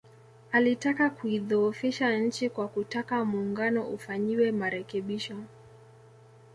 Alitaka kuidhoofisha nchi kwa kutaka Muungano ufanyiwe marekebisho